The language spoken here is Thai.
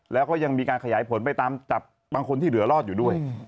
แล้วก็ยังมีการขยายผลไปตามจับบางคนที่เหลือรอดอยู่ด้วย